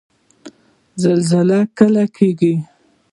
زلزله کله کیږي؟